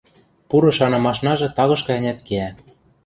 Пуры шанымашнажы тагышкы-ӓнят кеӓ.